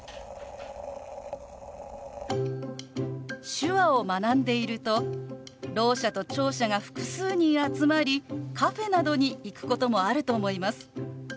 手話を学んでいるとろう者と聴者が複数人集まりカフェなどに行くこともあると思います。